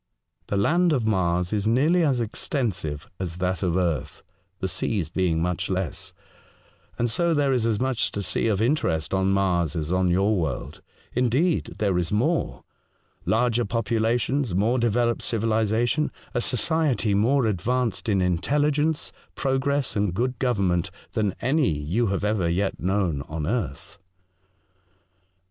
The land of Mars is nearlv as exten sive as that of earth (the seas being much less), and so there is as much to see of interest on Mars as on your world ; indeed, there is more The Feast. 153 — larger populations, more developed civilisa tion, a society more advanced in intelligence, progress, and good government than any you have ever yet known on earth.